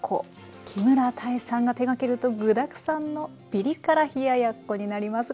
木村多江さんが手がけると具だくさんのピリ辛冷ややっこになります。